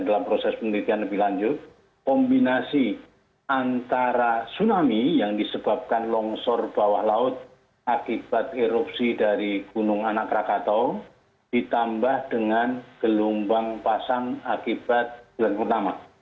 dalam proses penelitian lebih lanjut kombinasi antara tsunami yang disebabkan longsor bawah laut akibat erupsi dari gunung anak rakatau ditambah dengan gelombang pasang akibat bulan purnama